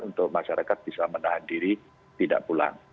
untuk masyarakat bisa menahan diri tidak pulang